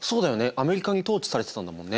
アメリカに統治されてたんだもんね。